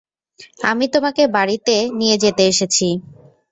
আমি তোমাকে বাড়িতে নিয়ে যেতে এসেছি।